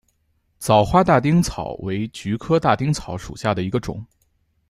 早花大丁草为菊科大丁草属下的一个种。